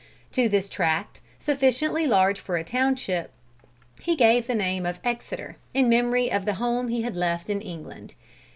To this tract, sufficiently large for a township, he gave the name of Exeter, in memory of the home he had left in England.